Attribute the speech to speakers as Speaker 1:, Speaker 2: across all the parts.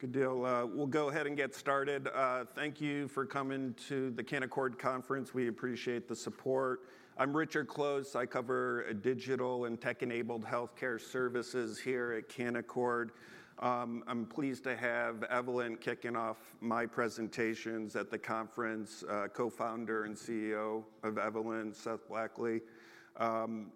Speaker 1: Good deal. We'll go ahead and get started. Thank you for coming to the Canaccord Conference. We appreciate the support. I'm Richard Close. I cover digital and tech-enabled healthcare services here at Canaccord. I'm pleased to have Evolent kicking off my presentations at the conference. Co-Founder and CEO of Evolent, Seth Blackley. You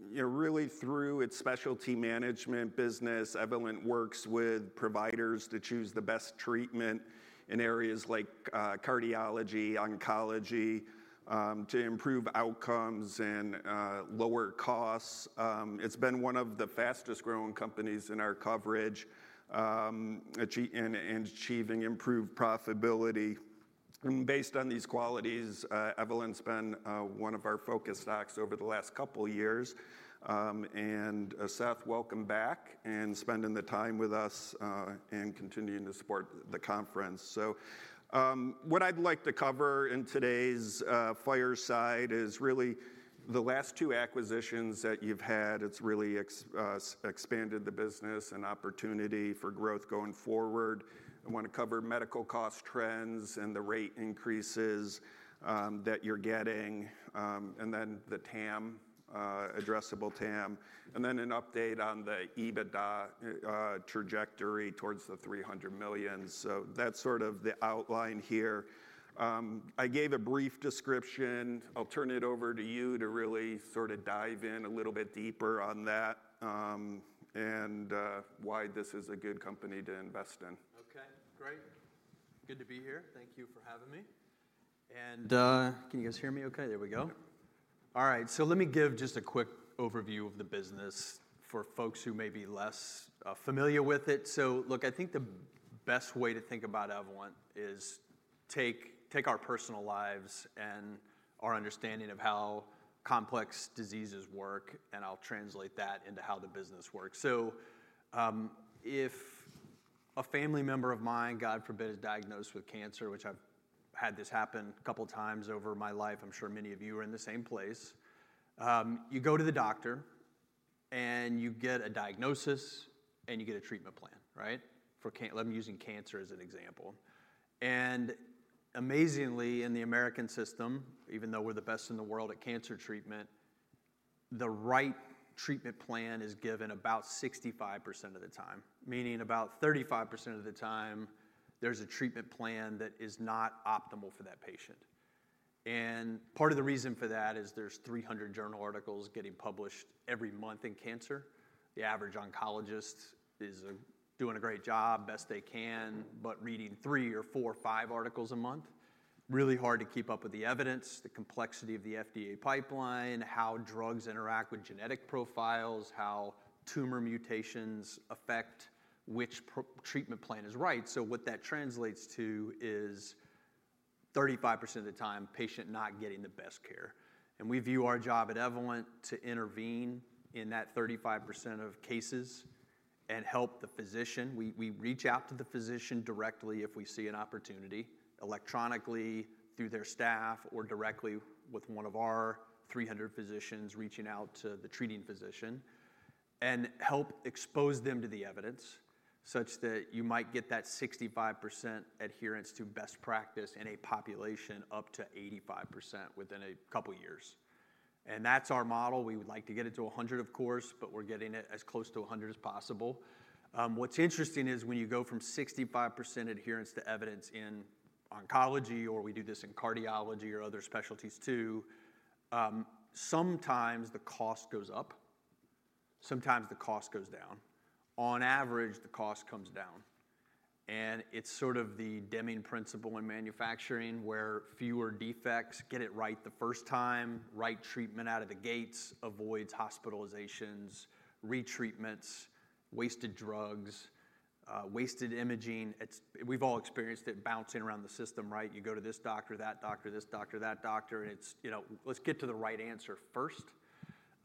Speaker 1: know, really through its specialty management business, Evolent works with providers to choose the best treatment in areas like cardiology, oncology, to improve outcomes and lower costs. It's been one of the fastest growing companies in our coverage in achieving improved profitability. And based on these qualities, Evolent's been one of our focus stocks over the last couple of years. And Seth, welcome back, and spending the time with us and continuing to support the conference. So, what I'd like to cover in today's fireside is really the last two acquisitions that you've had. It's really expanded the business and opportunity for growth going forward. I want to cover medical cost trends and the rate increases that you're getting, and then the TAM, addressable TAM, and then an update on the EBITDA trajectory towards the $300 million. So that's sort of the outline here. I gave a brief description. I'll turn it over to you to really sort of dive in a little bit deeper on that, and why this is a good company to invest in.
Speaker 2: Okay, great. Good to be here. Thank you for having me. And, can you guys hear me okay? There we go.
Speaker 1: Yeah.
Speaker 2: All right, so let me give just a quick overview of the business, for folks who may be less familiar with it. So look, I think the best way to think about Evolent is take our personal lives and our understanding of how complex diseases work, and I'll translate that into how the business works. So, if a family member of mine, God forbid, is diagnosed with cancer, which I've had this happen a couple times over my life, I'm sure many of you are in the same place. You go to the doctor, and you get a diagnosis, and you get a treatment plan, right? I'm using cancer as an example. And amazingly, in the American system, even though we're the best in the world at cancer treatment, the right treatment plan is given about 65% of the time. Meaning, about 35% of the time, there's a treatment plan that is not optimal for that patient. And part of the reason for that is, there's 300 journal articles getting published every month in cancer. The average oncologist is doing a great job, best they can, but reading three or four, five articles a month, really hard to keep up with the evidence, the complexity of the FDA pipeline, how drugs interact with genetic profiles, how tumor mutations affect which treatment plan is right. So what that translates to is, 35% of the time, patient not getting the best care. And we view our job at Evolent to intervene in that 35% of cases and help the physician. We reach out to the physician directly if we see an opportunity, electronically, through their staff, or directly with one of our 300 physicians reaching out to the treating physician, and help expose them to the evidence, such that you might get that 65% adherence to best practice in a population up to 85% within a couple of years. That's our model. We would like to get it to 100, of course, but we're getting it as close to 100 as possible. What's interesting is, when you go from 65% adherence to evidence in oncology, or we do this in cardiology or other specialties, too, sometimes the cost goes up, sometimes the cost goes down. On average, the cost comes down. It's sort of the Deming principle in manufacturing, where fewer defects get it right the first time, right treatment out of the gates avoids hospitalizations, retreatments, wasted drugs, wasted imaging. We've all experienced it, bouncing around the system, right? You go to this doctor, that doctor, this doctor, that doctor, and it's, you know. Let's get to the right answer first.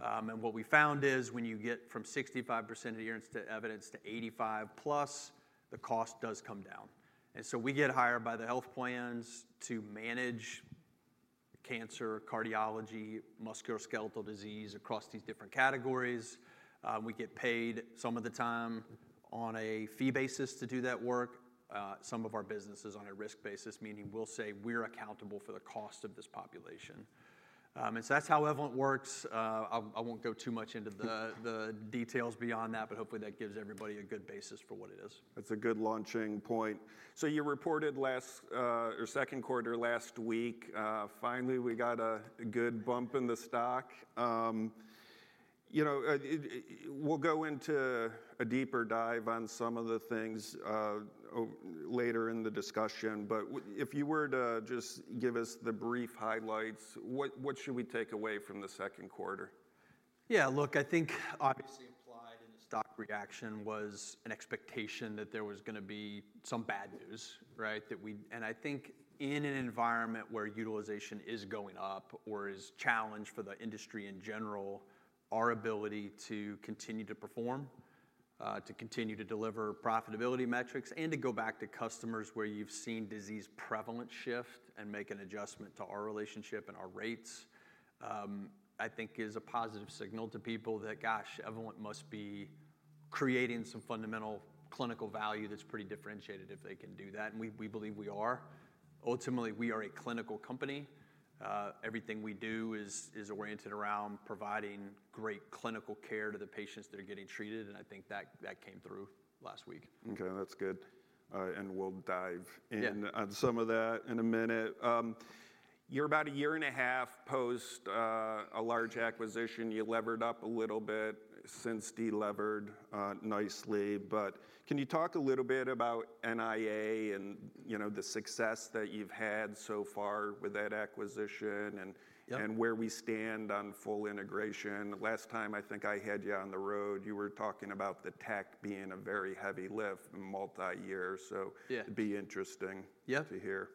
Speaker 2: And what we found is, when you get from 65% adherence to evidence to 85%+, the cost does come down. So we get hired by the health plans to manage cancer, cardiology, musculoskeletal disease, across these different categories. We get paid some of the time on a fee basis to do that work, some of our business is on a risk basis, meaning we'll say we're accountable for the cost of this population. So that's how Evolent works. I won't go too much into the details beyond that, but hopefully that gives everybody a good basis for what it is.
Speaker 1: That's a good launching point. So you reported your second quarter last week. Finally, we got a good bump in the stock. You know, we'll go into a deeper dive on some of the things later in the discussion, but if you were to just give us the brief highlights, what should we take away from the second quarter?
Speaker 2: Yeah, look, I think obviously implied in the stock reaction was an expectation that there was gonna be some bad news, right? And I think in an environment where utilization is going up or is challenged for the industry in general, our ability to continue to perform, to continue to deliver profitability metrics, and to go back to customers where you've seen disease prevalence shift and make an adjustment to our relationship and our rates, I think is a positive signal to people that, gosh, Evolent must be creating some fundamental clinical value that's pretty differentiated if they can do that, and we, we believe we are. Ultimately, we are a clinical company. Everything we do is, is oriented around providing great clinical care to the patients that are getting treated, and I think that, that came through last week.
Speaker 1: Okay, that's good. And we'll dive in.
Speaker 2: Yeah.
Speaker 1: On some of that in a minute. You're about a year and a half post a large acquisition. You levered up a little bit, since de-levered nicely. But can you talk a little bit about NIA and, you know, the success that you've had so far with that acquisition, and.
Speaker 2: Yep.
Speaker 1: And where we stand on full integration? Last time I think I had you on the road, you were talking about the tech being a very heavy lift, multi-year, so.
Speaker 2: Yeah.
Speaker 1: It'd be interesting.
Speaker 2: Yeah.
Speaker 1: To hear.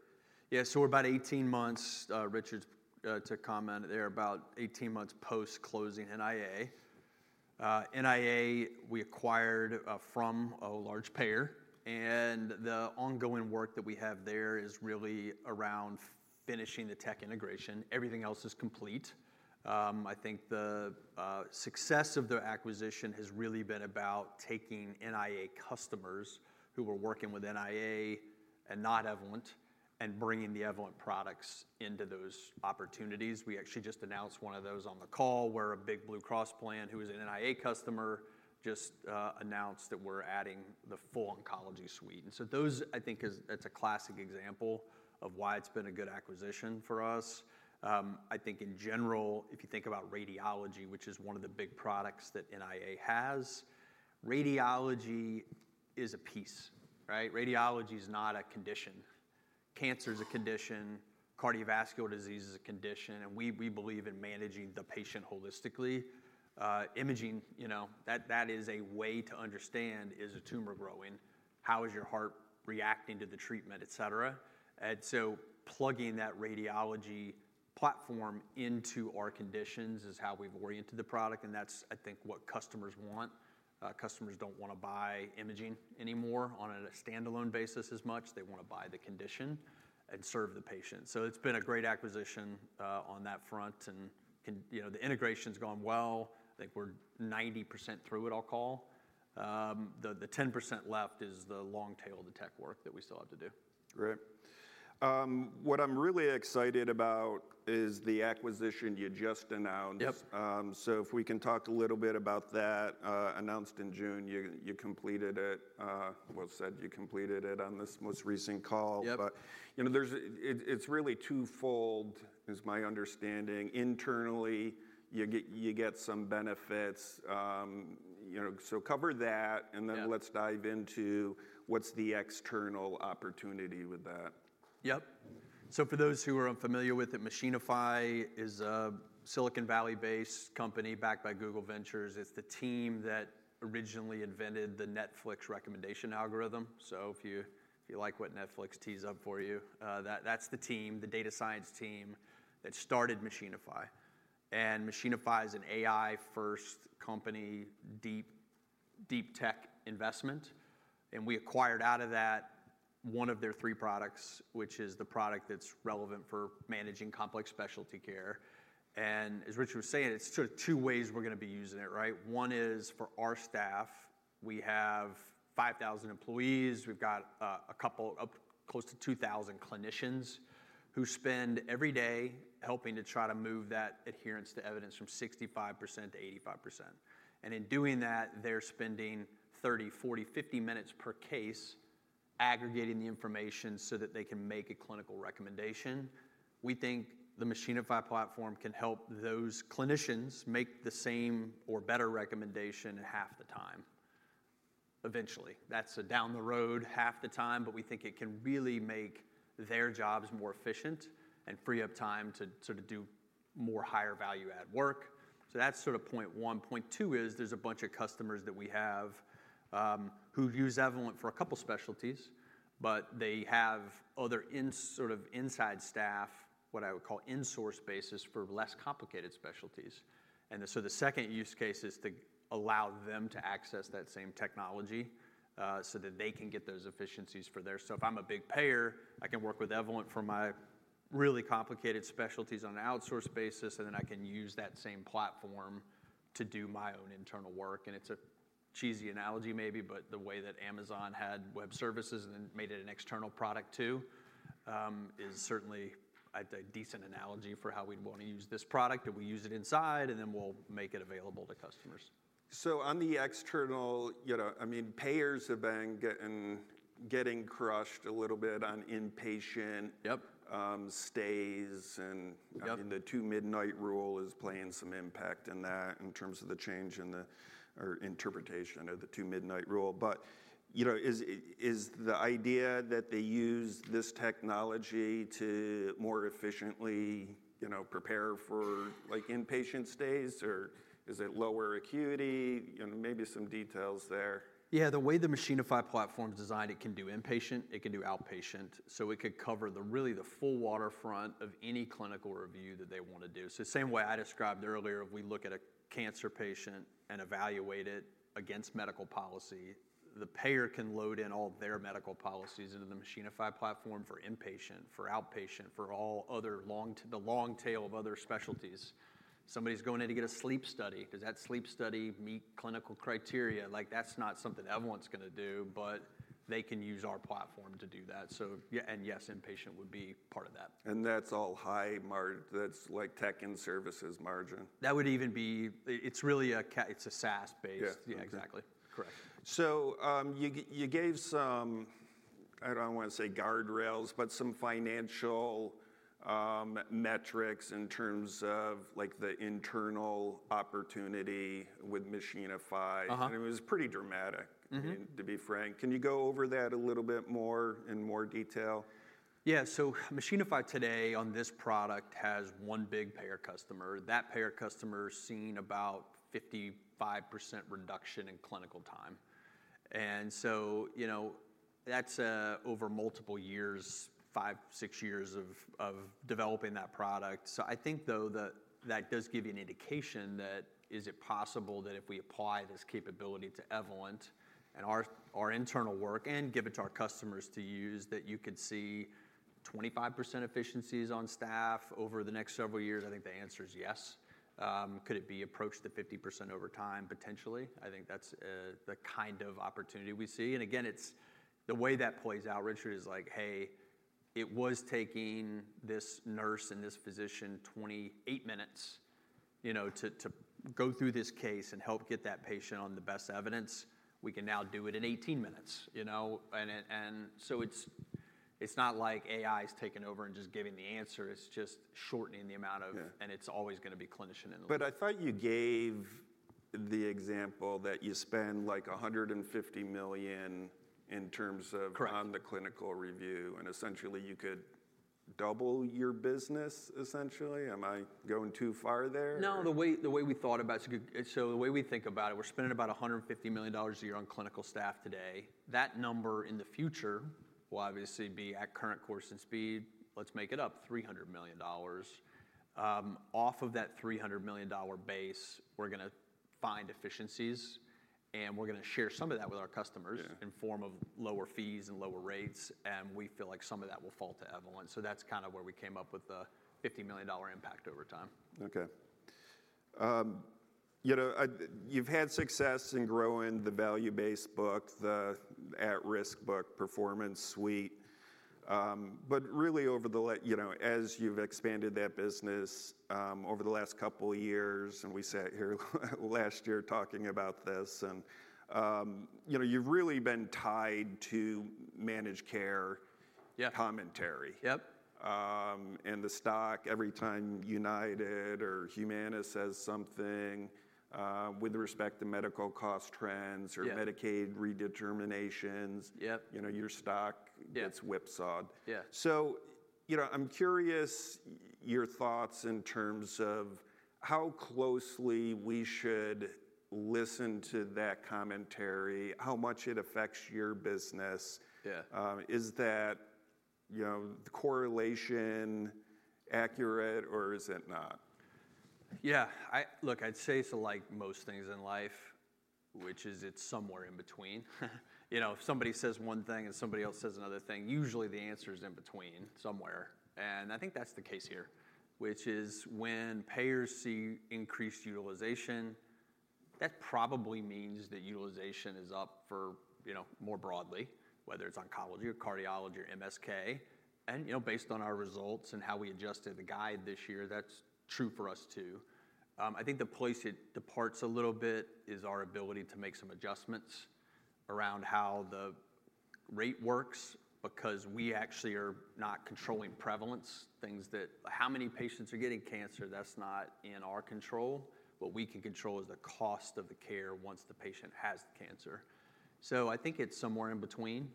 Speaker 2: Yeah, so we're about 18 months, Richard, to comment there, about 18 months post-closing NIA. NIA, we acquired from a large payer, and the ongoing work that we have there is really around finishing the tech integration. Everything else is complete. I think the success of the acquisition has really been about taking NIA customers who were working with NIA and not Evolent, and bringing the Evolent products into those opportunities. We actually just announced one of those on the call, where a big Blue Cross plan, who is an NIA customer, just announced that we're adding the full oncology suite. And so those, I think is, that's a classic example of why it's been a good acquisition for us. I think in general, if you think about radiology, which is one of the big products that NIA has, radiology is a piece, right? Radiology is not a condition. Cancer is a condition, cardiovascular disease is a condition, and we, we believe in managing the patient holistically. Imaging, you know, that, that is a way to understand, is a tumor growing? How is your heart reacting to the treatment, et cetera. And so, plugging that radiology platform into our conditions is how we've oriented the product, and that's, I think, what customers want. Customers don't wanna buy imaging anymore on a standalone basis as much, they wanna buy the condition and serve the patient. So it's been a great acquisition, on that front, and, and, you know, the integration's gone well. I think we're 90% through it, I'll call. The 10% left is the long tail of the tech work that we still have to do.
Speaker 1: Great. What I'm really excited about is the acquisition you just announced.
Speaker 2: Yep.
Speaker 1: So, if we can talk a little bit about that, announced in June, you completed it. Well, said you completed it on this most recent call.
Speaker 2: Yep.
Speaker 1: But, you know, there's, it's really twofold, is my understanding. Internally, you get some benefits. You know, so cover that.
Speaker 2: Yeah.
Speaker 1: And then let's dive into what's the external opportunity with that.
Speaker 2: Yep. So for those who are unfamiliar with it, Machinify is a Silicon Valley-based company backed by Google Ventures. It's the team that originally invented the Netflix recommendation algorithm. So if you, if you like what Netflix tees up for you, that, that's the team, the data science team, that started Machinify. And Machinify is an AI-first company, deep, deep tech investment, and we acquired out of that one of their three products, which is the product that's relevant for managing complex specialty care. And as Richard was saying, it's sort of two ways we're gonna be using it, right? One is for our staff. We have 5,000 employees. We've got, a couple, up close to 2,000 clinicians who spend every day helping to try to move that adherence to evidence from 65% to 85%. And in doing that, they're spending 30, 40, 50 minutes per case aggregating the information so that they can make a clinical recommendation. We think the Machinify platform can help those clinicians make the same or better recommendation in half the time, eventually. That's down the road, half the time, but we think it can really make their jobs more efficient and free up time to sort of do more higher value add work. So that's sort of point one. Point two is, there's a bunch of customers that we have, who use Evolent for a couple specialties, but they have other in sort of inside staff, what I would call in-source basis, for less complicated specialties. And so the second use case is to allow them to access that same technology, so that they can get those efficiencies for their. So if I'm a big payer, I can work with Evolent for my really complicated specialties on an outsource basis, and then I can use that same platform to do my own internal work. And it's a cheesy analogy maybe, but the way that Amazon had Web Services and then made it an external product too, is certainly a decent analogy for how we'd wanna use this product. And we use it inside, and then we'll make it available to customers.
Speaker 1: So on the external, you know, I mean, payers have been getting crushed a little bit on inpatient.
Speaker 2: Yep.
Speaker 1: Stays, and.
Speaker 2: Yep.
Speaker 1: And the Two-Midnight Rule is playing some impact in that, in terms of the change in the, or interpretation of the Two-Midnight Rule. But, you know, is the idea that they use this technology to more efficiently, you know, prepare for, like, inpatient stays, or is it lower acuity? You know, maybe some details there.
Speaker 2: Yeah. The way the Machinify platform is designed, it can do inpatient, it can do outpatient, so it could cover the really, the full waterfront of any clinical review that they wanna do. So the same way I described earlier, we look at a cancer patient and evaluate it against medical policy. The payer can load in all their medical policies into the Machinify platform for inpatient, for outpatient, for all other long, the long tail of other specialties. Somebody's going in to get a sleep study. Does that sleep study meet clinical criteria? Like, that's not something Evolent's gonna do, but they can use our platform to do that. So yeah, and yes, inpatient would be part of that.
Speaker 1: That's like tech and services margin?
Speaker 2: That would even be. It's really a SaaS-based.
Speaker 1: Yeah.
Speaker 2: Yeah, exactly. Correct.
Speaker 1: So, you gave some, I don't wanna say guardrails, but some financial metrics in terms of, like, the internal opportunity with Machinify.
Speaker 2: Uh-huh.
Speaker 1: It was pretty dramatic.
Speaker 2: Mm-hmm.
Speaker 1: I mean, to be frank. Can you go over that a little bit more in more detail?
Speaker 2: Yeah, so Machinify today, on this product, has one big payer customer. That payer customer's seen about 55% reduction in clinical time. And so, you know, that's over multiple years, five, six years of developing that product. So I think, though, that that does give you an indication that, is it possible that if we apply this capability to Evolent and our internal work, and give it to our customers to use, that you could see 25% efficiencies on staff over the next several years? I think the answer is yes. Could it be approached to 50% over time? Potentially. I think that's the kind of opportunity we see. And again, it's the way that plays out, Richard, is like, hey, it was taking this nurse and this physician 28 minutes, you know, to go through this case and help get that patient on the best evidence. We can now do it in 18 minutes, you know? And it, and so it's not like AI is taking over and just giving the answer, it's just shortening the amount of.
Speaker 1: Yeah.
Speaker 2: And it's always gonna be clinician in the.
Speaker 1: But I thought you gave the example that you spend, like, $150 million in terms of.
Speaker 2: Correct.
Speaker 1: On the clinical review, and essentially, you could double your business, essentially. Am I going too far there or?
Speaker 2: No, the way we thought about it, so the way we think about it, we're spending about $150 million a year on clinical staff today. That number, in the future, will obviously be, at current course and speed, let's make it up, $300 million. Off of that $300 million base, we're gonna find efficiencies, and we're gonna share some of that with our customers.
Speaker 1: Yeah.
Speaker 2: In form of lower fees and lower rates, and we feel like some of that will fall to Evolent. So that's kind of where we came up with the $50 million impact over time.
Speaker 1: Okay. You know, I, you've had success in growing the value-based book, the at-risk book Performance Suite. But really, over the last, you know, as you've expanded that business, over the last couple of years, and we sat here last year talking about this, and, you know, you've really been tied to managed care.
Speaker 2: Yeah.
Speaker 1: Commentary.
Speaker 2: Yep.
Speaker 1: The stock, every time United or Humana says something with respect to medical cost trends.
Speaker 2: Yeah.
Speaker 1: Or Medicaid redeterminations.
Speaker 2: Yep.
Speaker 1: You know, your stock.
Speaker 2: Yeah.
Speaker 1: Gets whipsawed.
Speaker 2: Yeah.
Speaker 1: You know, I'm curious your thoughts in terms of how closely we should listen to that commentary, how much it affects your business?
Speaker 2: Yeah.
Speaker 1: Is that, you know, the correlation accurate or is it not?
Speaker 2: Yeah, look, I'd say so like most things in life, which is it's somewhere in between. You know, if somebody says one thing and somebody else says another thing, usually the answer is in between somewhere, and I think that's the case here, which is when payers see increased utilization, that probably means that utilization is up for, you know, more broadly, whether it's oncology or cardiology or MSK. And, you know, based on our results and how we adjusted the guide this year, that's true for us, too. I think the place it departs a little bit is our ability to make some adjustments around how the rate works, because we actually are not controlling prevalence, things that how many patients are getting cancer, that's not in our control. What we can control is the cost of the care once the patient has the cancer. So I think it's somewhere in between,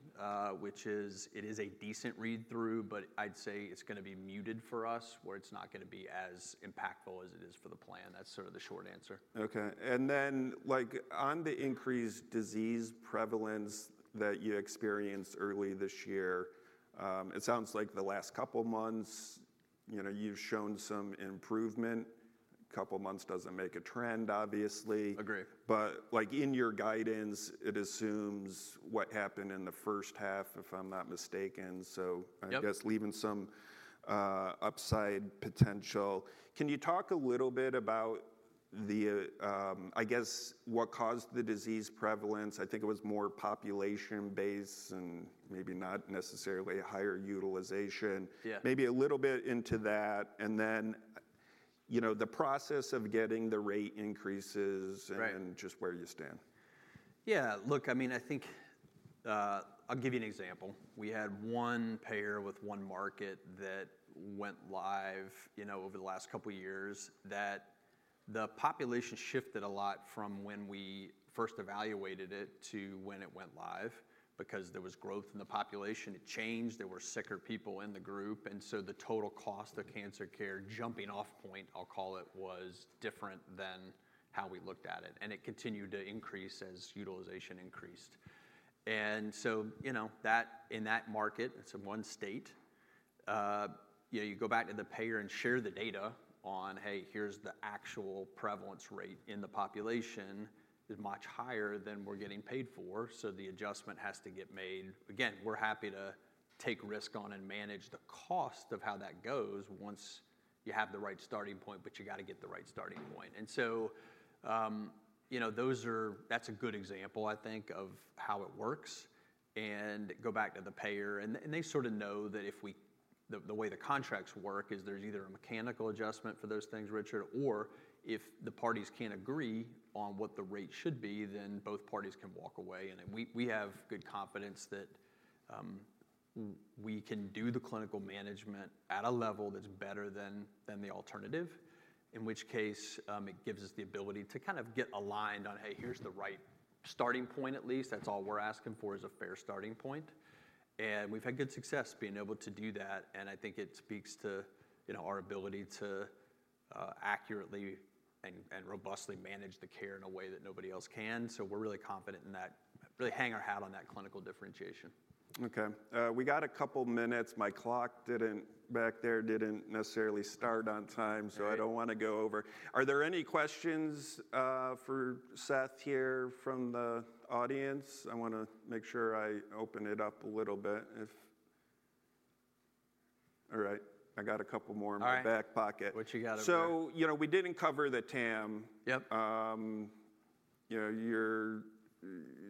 Speaker 2: which is, it is a decent read-through, but I'd say it's gonna be muted for us, where it's not gonna be as impactful as it is for the plan. That's sort of the short answer.
Speaker 1: Okay. And then, like, on the increased disease prevalence that you experienced early this year, it sounds like the last couple months, you know, you've shown some improvement. Couple months doesn't make a trend, obviously.
Speaker 2: Agree.
Speaker 1: But, like, in your guidance, it assumes what happened in the first half, if I'm not mistaken, so.
Speaker 2: Yep.
Speaker 1: I guess, leaving some upside potential. Can you talk a little bit about the, I guess, what caused the disease prevalence? I think it was more population-based and maybe not necessarily higher utilization.
Speaker 2: Yeah.
Speaker 1: Maybe a little bit into that, and then, you know, the process of getting the rate increases.
Speaker 2: Right.
Speaker 1: And just where you stand.
Speaker 2: Yeah, look, I mean, I think, I'll give you an example. We had one payer with one market that went live, you know, over the last couple years, that the population shifted a lot from when we first evaluated it to when it went live. Because there was growth in the population, it changed, there were sicker people in the group, and so the total cost of cancer care, jumping off point, I'll call it, was different than how we looked at it, and it continued to increase as utilization increased. And so, you know, that, in that market, it's in one state, you know, you go back to the payer and share the data on, "Hey, here's the actual prevalence rate in the population, is much higher than we're getting paid for, so the adjustment has to get made." Again, we're happy to take risk on and manage the cost of how that goes once you have the right starting point, but you gotta get the right starting point. And so, you know, that's a good example, I think, of how it works, and go back to the payer. And they sort of know that if the way the contracts work is there's either a mechanical adjustment for those things, Richard, or if the parties can't agree on what the rate should be, then both parties can walk away. And then we have good confidence that we can do the clinical management at a level that's better than the alternative, in which case, it gives us the ability to kind of get aligned on, "Hey, here's the right starting point, at least." That's all we're asking for, is a fair starting point, and we've had good success being able to do that, and I think it speaks to, you know, our ability to accurately and robustly manage the care in a way that nobody else can. So we're really confident in that, really hang our hat on that clinical differentiation.
Speaker 1: Okay. We got a couple minutes. My clock, back there, didn't necessarily start on time.
Speaker 2: Right.
Speaker 1: So I don't want to go over. Are there any questions for Seth here from the audience? I want to make sure I open it up a little bit if. All right, I got a couple more.
Speaker 2: All right.
Speaker 1: In my back pocket.
Speaker 2: What you got up there?
Speaker 1: So, you know, we didn't cover the TAM.
Speaker 2: Yep.
Speaker 1: You know, you're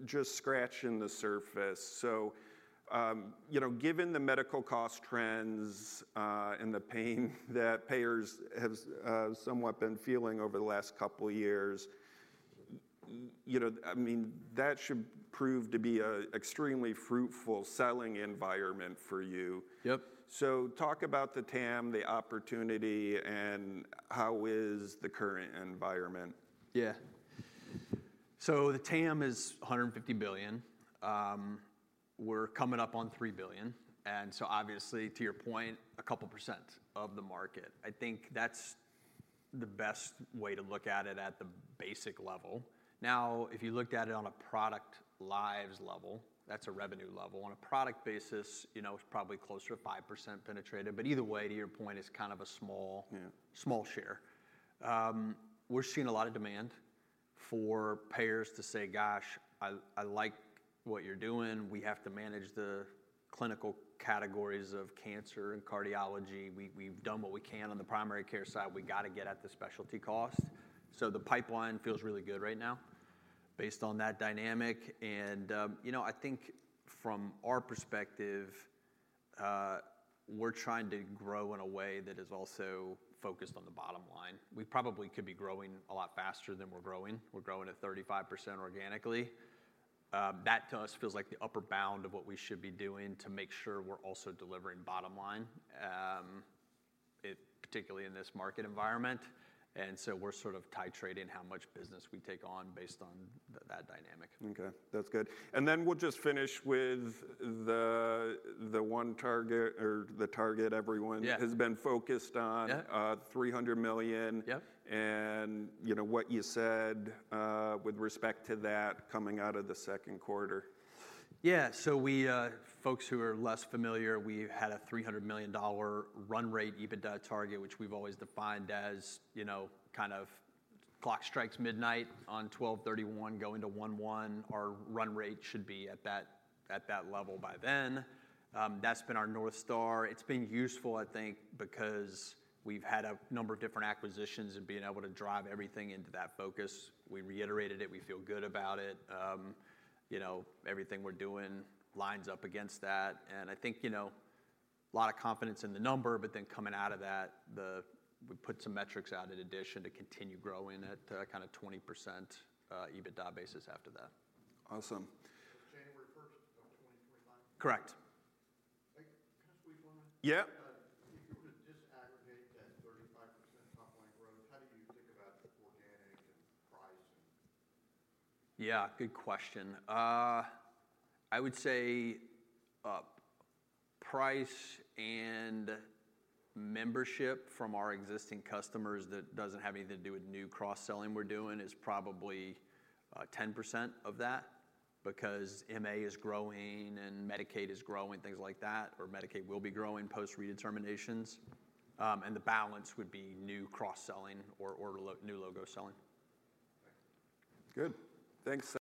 Speaker 1: just scratching the surface. You know, given the medical cost trends, and the pain that payers have, somewhat been feeling over the last couple years, you know, I mean, that should prove to be a extremely fruitful selling environment for you.
Speaker 2: Yep.
Speaker 1: So talk about the TAM, the opportunity, and how is the current environment?
Speaker 2: Yeah. So the TAM is $150 billion. We're coming up on $3 billion, and so obviously, to your point, a couple percent of the market. I think that's the best way to look at it at the basic level. Now, if you looked at it on a product lives level, that's a revenue level. On a product basis, you know, it's probably closer to 5% penetrated, but either way, to your point, it's kind of a small.
Speaker 1: Yeah.
Speaker 2: Small share. We're seeing a lot of demand for payers to say, "Gosh, I like what you're doing. We have to manage the clinical categories of cancer and cardiology. We've done what we can on the primary care side. We've gotta get at the specialty cost." So the pipeline feels really good right now, based on that dynamic. And, you know, I think from our perspective, we're trying to grow in a way that is also focused on the bottom line. We probably could be growing a lot faster than we're growing. We're growing at 35% organically. That to us feels like the upper bound of what we should be doing to make sure we're also delivering bottom line, particularly in this market environment. And so we're sort of titrating how much business we take on based on that dynamic.
Speaker 1: Okay, that's good. And then we'll just finish with the one target or the target everyone.
Speaker 2: Yeah.
Speaker 1: Has been focused on.
Speaker 2: Yeah.
Speaker 1: $300 million.
Speaker 2: Yep.
Speaker 1: You know, what you said with respect to that, coming out of the second quarter.
Speaker 2: Yeah, so we, folks who are less familiar, we had a $300 million run rate EBITDA target, which we've always defined as, you know, kind of clock strikes midnight on 12/31, going to 1/1, our run rate should be at that, at that level by then. That's been our North Star. It's been useful, I think, because we've had a number of different acquisitions and being able to drive everything into that focus. We reiterated it, we feel good about it. You know, everything we're doing lines up against that. And I think, you know, a lot of confidence in the number, but then coming out of that, the, we put some metrics out in addition to continue growing at a kinda 20% EBITDA basis after that.
Speaker 1: Awesome.
Speaker 2: Correct.
Speaker 1: Yeah.
Speaker 2: Yeah, good question. I would say price and membership from our existing customers, that doesn't have anything to do with new cross-selling we're doing, is probably 10% of that, because MA is growing and Medicaid is growing, things like that, or Medicaid will be growing post-redeterminations. And the balance would be new cross-selling or new logo selling.
Speaker 1: Good. Thanks, Seth.